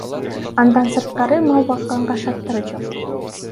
Андан сырткары мал бакканга шарттар жок.